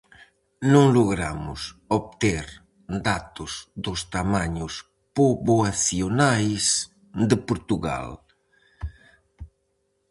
Non logramos obter datos dos tamaños poboacionais de Portugal.